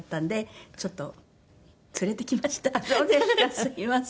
すいません。